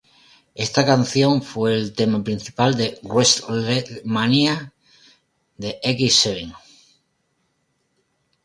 Esta canción fue el tema principal de WrestleMania X-Seven.